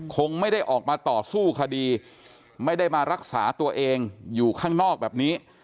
คงไม่ได้ออกมาต่อสู้คดีไม่ได้มารักษาตัวเองอยู่ข้างนอกแบบนี้